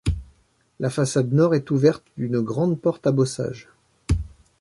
La façade nord est ouverte d'une grande porte à bossage.